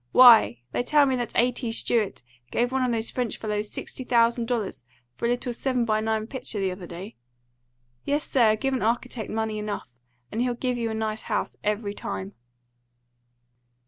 Why, they tell me that A. T. Stewart gave one of those French fellows sixty thousand dollars for a little seven by nine picture the other day. Yes, sir, give an architect money enough, and he'll give you a nice house every time."